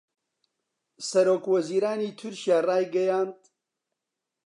سەرۆکوەزیرانی تورکیا رایگەیاند